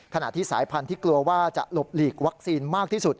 ขณะที่สายพันธุ์ที่กลัวว่าจะหลบหลีกวัคซีนมากที่สุด